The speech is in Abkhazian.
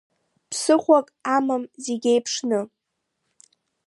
Ԥсыхәак амам зегьы еиԥшны.